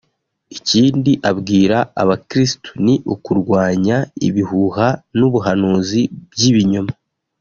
Ikindi abwira abakristu ni ukurwanya ibihuha n’ubuhanuzi by’ibinyoma